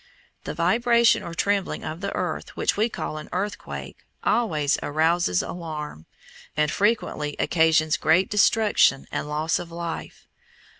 The vibration or trembling of the earth which we call an "earthquake" always arouses alarm, and frequently occasions great destruction and loss of life.